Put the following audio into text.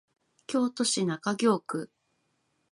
京都市中京区